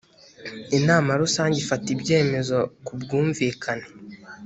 inama rusange ifata ibyemezo ku bwumvikane